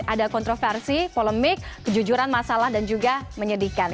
ada kontroversi polemik kejujuran masalah dan juga menyedihkan